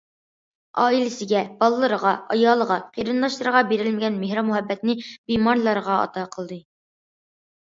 ئائىلىسىگە، بالىلىرىغا، ئايالىغا، قېرىنداشلىرىغا بېرەلمىگەن مېھرى- مۇھەببىتىنى بىمارلارغا ئاتا قىلدى.